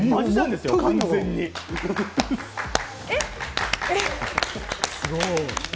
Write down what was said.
すごい。